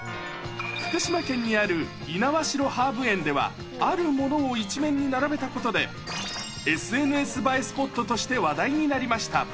福島県にある猪苗代ハーブ園では、あるものを一面に並べたことで、ＳＮＳ映えスポットとして話題になりました。